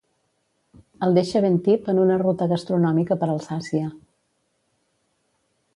El deixa ben tip en una ruta gastronòmica per Alsàcia.